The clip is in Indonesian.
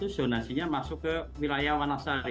zonasinya masuk ke wilayah wanasari